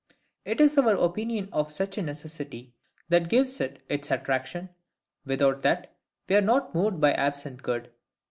It is our opinion of such a necessity that gives it its attraction: without that, we are not moved by absent good.